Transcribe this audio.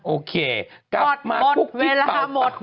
โอเครองกบเวลาหมด